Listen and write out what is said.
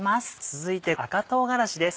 続いて赤唐辛子です。